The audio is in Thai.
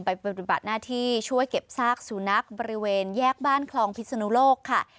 ปฏิบัติหน้าที่ช่วยเก็บซากสุนัขบริเวณแยกบ้านคลองพิศนุโลกค่ะ